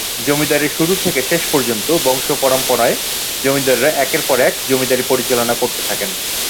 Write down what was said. জমিদারীর শুরুর থেকে শেষ পর্যন্ত বংশপরামপণায় জমিদাররা একের পর এক জমিদারী পরিচালনা করতে থাকেন।